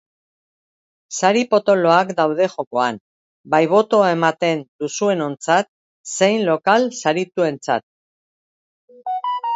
Sari potoloak daude jokoan, bai botoa ematen duzuenontzat zein lokal sarituentzat.